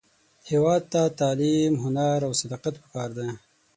هیواد ته تعلیم، هنر، او صداقت پکار دی